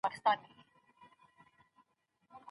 د رسول الله لارښوونه به پلي سوې وي.